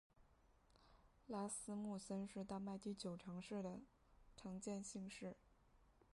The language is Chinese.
拉斯穆森是丹麦第九常见的姓氏。